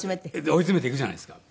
追い詰めていくじゃないですか。